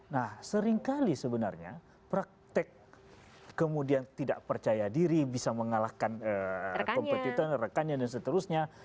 nah seringkali sebenarnya praktek kemudian tidak percaya diri bisa mengalahkan kompetitor rekannya dan seterusnya